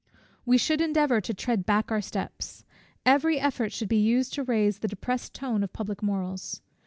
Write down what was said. We should endeavour to tread back our steps. Every effort should be used to raise the depressed tone of public morals.